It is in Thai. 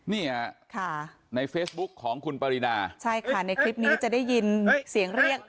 เนี่ยค่ะในเฟซบุ๊คของคุณปรินาใช่ค่ะในคลิปนี้จะได้ยินเสียงเรียก